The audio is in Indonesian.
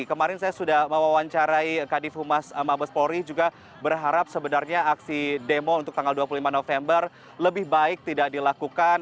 kemarin saya sudah mewawancarai kadif humas mabes polri juga berharap sebenarnya aksi demo untuk tanggal dua puluh lima november lebih baik tidak dilakukan